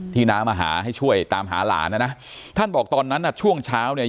น้ามาหาให้ช่วยตามหาหลานนะนะท่านบอกตอนนั้นน่ะช่วงเช้าเนี่ย